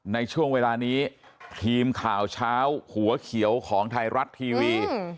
ในช่วงเวลานี้ทีมข่าวเช้าหัวเขียวของไทยรัฐทีวี